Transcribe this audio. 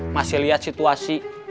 masih lihat situasi